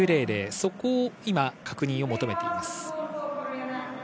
そこの確認を求めています。